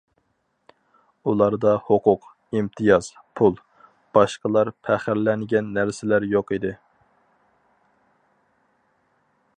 ئۇلاردا ھوقۇق، ئىمتىياز، پۇل، باشقىلار پەخىرلەنگەن نەرسىلەر يوق ئىدى.